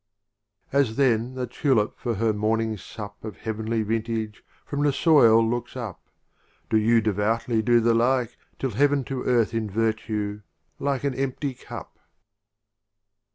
XL. As then the Tulip for her morning sup Of Heav'nly Vintage from the soil looks up, Do you devoutly do the like, till Heav'n To Earth invert you — like an empty Cup.